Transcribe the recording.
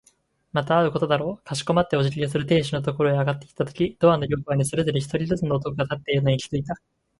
また会うことだろう。かしこまってお辞儀をする亭主のところへ上がっていったとき、ドアの両側にそれぞれ一人ずつの男が立っているのに気づいた。